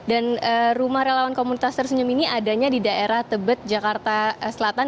dan rumah relawan komunitas tersenyum ini adanya di daerah tebet jakarta selatan